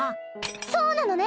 そうなのね？